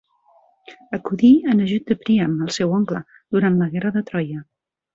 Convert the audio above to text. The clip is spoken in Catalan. Acudí en ajut de Príam, el seu oncle, durant la guerra de Troia.